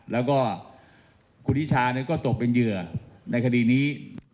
แล้วก็คุณนิชาก็ตกเป็นเหยื่อในคดีนี้